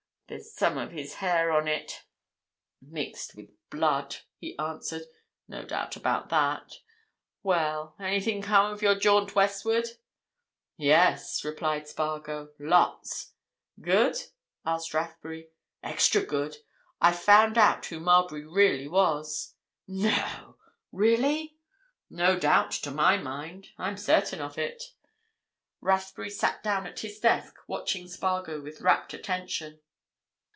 "There's some of his hair on it—mixed with blood," he answered. "No doubt about that. Well—anything come of your jaunt westward?" "Yes," replied Spargo. "Lots!" "Good?" asked Rathbury. "Extra good. I've found out who Marbury really was." "No! Really?" "No doubt, to my mind. I'm certain of it." Rathbury sat down at his desk, watching Spargo with rapt attention.